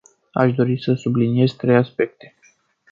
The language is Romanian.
Aș dori să subliniez trei aspecte.